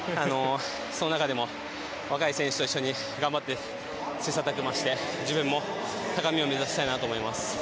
その中でも若い選手と一緒に頑張って切磋琢磨して自分も高みを目指したいなと思います。